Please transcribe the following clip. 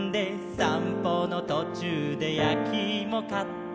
「さんぽのとちゅうでやきいも買って」